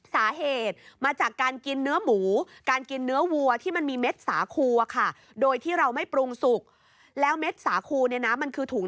สาเหตุมาจากการกินเนื้อหมู